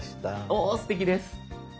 おすてきです。